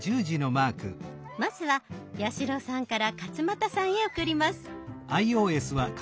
まずは八代さんから勝俣さんへ送ります。